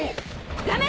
ダメ！